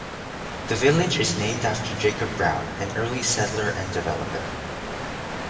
The village is named after Jacob Brown, an early settler and developer.